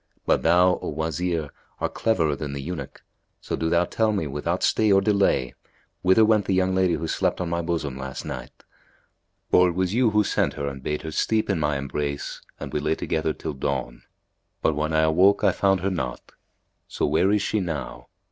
But thou, O Wazir, art cleverer than the eunuch, so do thou tell me without stay or delay, whither went the young lady who slept on my bosom last night; for it was you who sent her and bade her steep in my embrace and we lay together till dawn; but, when I awoke, I found her not. So where is she now?"